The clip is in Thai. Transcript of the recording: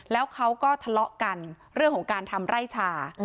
แล้วเขาก็ทะเลาะกันเรื่องของการทำไร่ชา